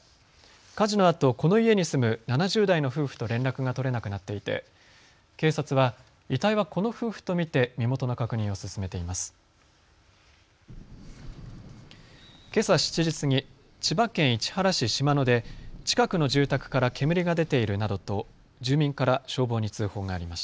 火事のあとこの家に住む７０代の夫婦と連絡が取れなくなっていて警察は遺体はこの夫婦と見て身元の確認を進めています。